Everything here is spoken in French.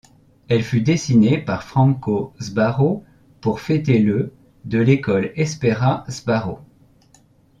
Elle fut dessinée par Franco Sbarro pour fêter le de l'École Espera Sbarro.